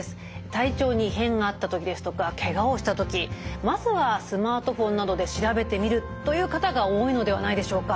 体調に異変があった時ですとかけがをした時まずはスマートフォンなどで調べてみるという方が多いのではないでしょうか。